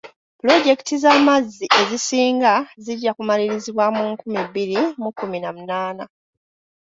Pulozekiti z'amazzi ezisinga zijja kumalirizibwa mu nkumi bbiri mu kkumi na munaana.